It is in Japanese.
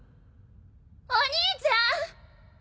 ・お兄ちゃん！